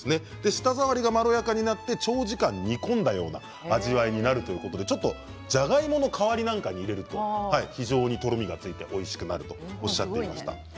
舌触りがまろやかになって長時間、煮込んだような味わいになるということでじゃがいもの代わりに入れると非常に、とろみがついておいしくなるとおっしゃっていました。